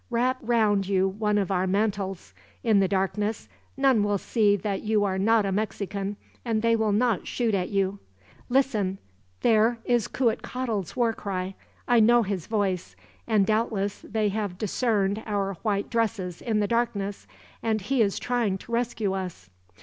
Wrap round you one of our mantles. In the darkness, none will see that you are not a Mexican, and they will not shoot at you. "Listen, there is Cuitcatl's war cry. I know his voice; and doubtless they have discerned our white dresses, in the darkness, and he is trying to rescue us."